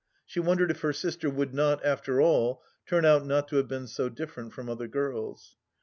She wondered if her sister would not, after all, turn out not to have been so different from other girls.